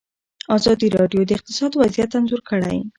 ازادي راډیو د اقتصاد وضعیت انځور کړی.